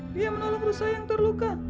dia menolong rusa yang terluka